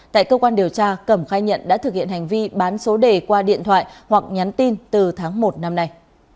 tại cơ quan điều tra cẩm khai nhận đã thực hiện hành vi bán số đề qua điện thoại hoặc nhắn tin từ tháng một năm nay